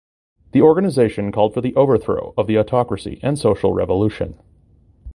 The organization called for the overthrow of the autocracy and social revolution.